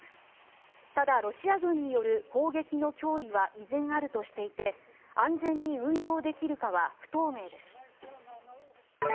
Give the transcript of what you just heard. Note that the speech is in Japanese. ただ、ロシア軍による攻撃の脅威は依然あるとしていて安全に運用できるかは不透明です。